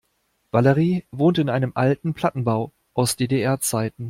Valerie wohnt in einem alten Plattenbau aus DDR-Zeiten.